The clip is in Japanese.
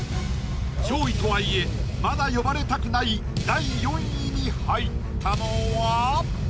上位とはいえまだ呼ばれたくない第４位に入ったのは？